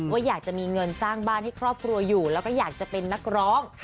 ว่าอยากจะมีเงินสร้างบ้านให้ครอบครัวอยู่แล้วก็อยากจะเป็นนักร้อง